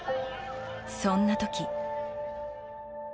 そんな時。